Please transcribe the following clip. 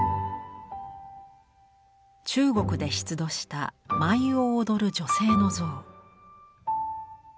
中国で出土した舞を踊る女性の像。